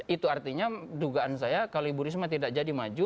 itu artinya dugaan saya kalau ibu risma tidak jadi maju